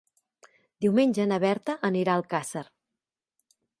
Diumenge na Berta anirà a Alcàsser.